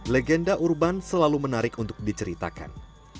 legenda urban selalu menarik untuk diceritakan